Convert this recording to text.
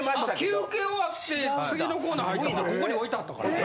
休憩終わって次のコーナー入ったらもうここに置いてあったから。